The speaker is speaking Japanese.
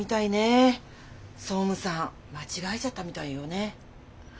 総務さん間違えちゃったみたいよね。